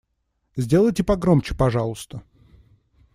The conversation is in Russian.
Сделайте погромче, пожалуйста.